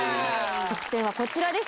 得点はこちらです。